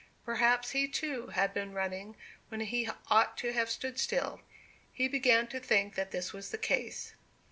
Perhaps he, too, had been running when he ought to have stood still. He began to think that this was the case.